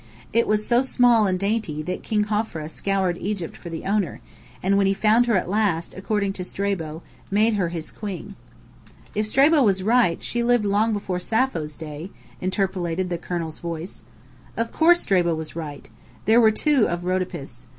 It was so small and dainty that King Hophra scoured Egypt for the owner, and when he found her at last, according to Strabo, made her his queen." "If Strabo was right, she lived long before Sappho's day!" interpolated the colonel's voice. "Of course, Strabo was right. There were two of Rhodopis.